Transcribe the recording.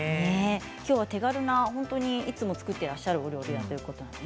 きょうは手軽ないつも作っていらっしゃる料理だということです。